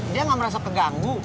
dia gak merasa keganggu